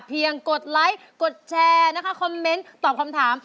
เพียงกดไลค์กดแชร์คอมเม้นต์ตอบคำถาม